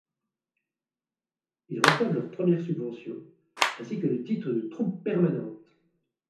Ils reçoivent leur première subvention ainsi que le titre de Troupe Permanente.